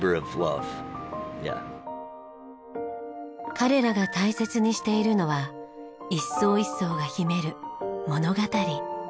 彼らが大切にしているのは一艘一艘が秘める物語。